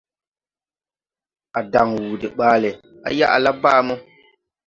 A dan wuu dè ɓaale, à yaʼla baa mo.